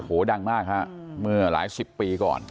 ดังมากฮะเมื่อหลายสิบปีก่อน